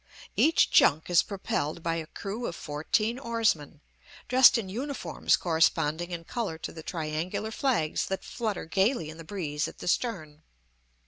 Each junk is propelled by a crew of fourteen oarsmen, dressed in uniforms corresponding in color to the triangular flags that flutter gayly in the breeze at the stern.